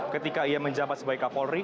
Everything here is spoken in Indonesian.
ketika ia menjabat sebagai kapolri